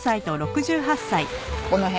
この辺。